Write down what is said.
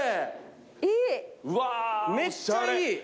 めっちゃいい！